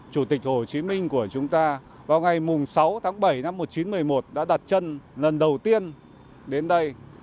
chủ tịch hồ chí minh của chúng ta vào ngày sáu tháng bảy năm một nghìn chín trăm một mươi một đã đặt chân lần đầu tiên đến đây